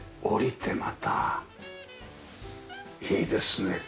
下りてまたいいですね。